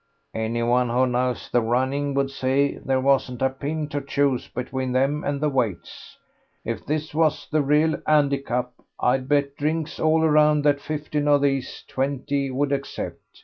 "Anyone what knows the running would say there wasn't a pin to choose between them at the weights. If this was the real 'andicap, I'd bet drinks all around that fifteen of these twenty would accept.